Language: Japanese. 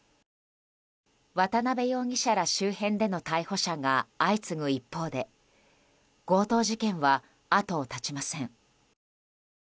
渡邉容疑者ら周辺での逮捕者が相次ぐ一方で強盗事件は後を絶ちません。